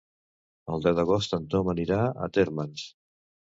El deu d'agost en Tom anirà a Térmens.